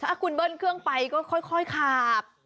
ถ้าคุณเบิ้ลเครื่องไปก็ค่อยขับ